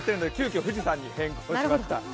富士山に変更しました。